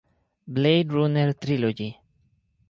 Blade Runner Trilogy.